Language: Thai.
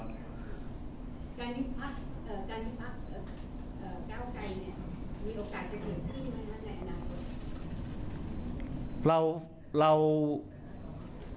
การนี้ภักดิ์เก้าไกรเนี่ยมีโอกาสจะเกี่ยวขึ้นไหมครับในอนาคต